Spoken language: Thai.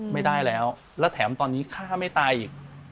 ไม่ได้แล้วแล้วแถมตอนนี้ฆ่าไม่ตายอีก